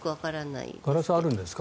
ガラスあるんですか？